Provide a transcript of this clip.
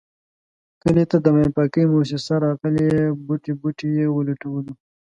کلي ته د ماین پاکی موسیسه راغلې بوټی بوټی یې و لټولو.